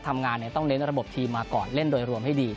ทำงานต้องเน้นระบบทีมมาก่อนเล่นโดยรวมให้ดี